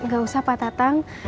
gak usah pak tatang